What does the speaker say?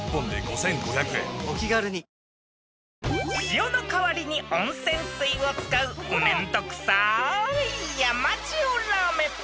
［塩の代わりに温泉水を使うめんどくさい山塩ラーメン］